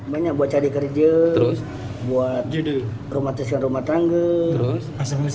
banyak buat cari kerja buat rumah tisun rumah tangga